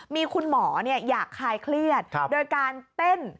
มีคุณหมออยากคลายเครียดโดยการเต้น